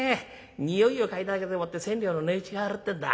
匂いを嗅いだだけでもって千両の値打ちがあるってんだ。